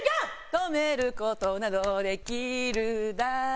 「止めることなど出来るだろう」